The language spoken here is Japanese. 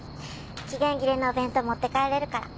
期限切れのお弁当持って帰れるから。